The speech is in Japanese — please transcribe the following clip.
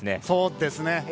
そうですね。